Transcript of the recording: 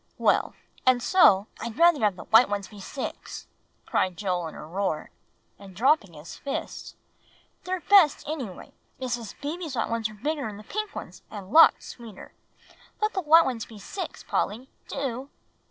Well, and so" "I'd rather have the white ones be six," cried Joel in a roar, and dropping his fists; "they're best, any way. Mrs. Beebe's white ones were bigger'n the pink ones, and lots sweeter. Let the white ones be six, Polly, do!"